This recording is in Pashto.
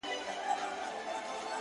• له یوې خوني تر بلي پوری تلله ,